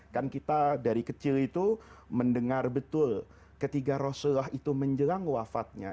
kan kita dari kecil itu mendengar betul ketika rasulullah itu menjelang wafatnya